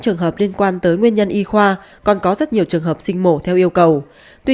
trong trường hợp liên quan tới nguyên nhân y khoa còn có rất nhiều trường hợp sinh mổ theo yêu cầu tuy